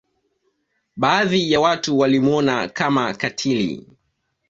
Baadhi ya watu walimwona Kama katili